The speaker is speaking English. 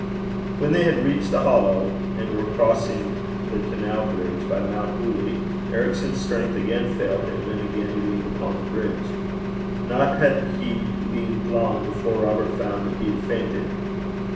When they had reached the hollow, and were crossing the canal bridge by Mount Hooly, Ericson's strength again failed him, and again he leaned upon the bridge. Nor had he leaned long before Robert found that he had fainted.